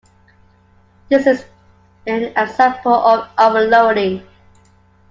This is an example of "overloading".